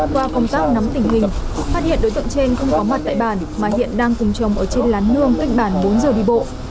qua công tác nắm tình hình phát hiện đối tượng trên không có mặt tại bản mà hiện đang cùng chồng ở trên lá nương cách bản bốn giờ đi bộ